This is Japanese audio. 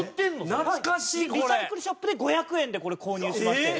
リサイクルショップで５００円でこれ購入しまして。